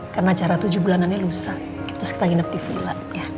karena cara tujuh bulanannya lusa terus kita nginep di villa